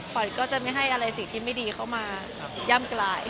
ขวัญก็จะไม่ให้อะไรสิ่งที่ไม่ดีเข้ามาย่ำกลาย